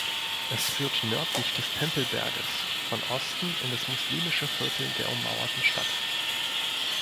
Es führt nördlich des Tempelberges von Osten in das Muslimische Viertel der ummauerten Stadt.